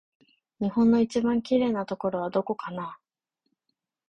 日本の一番きれいなところはどこかな